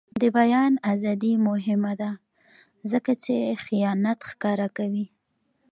د بیان ازادي مهمه ده ځکه چې خیانت ښکاره کوي.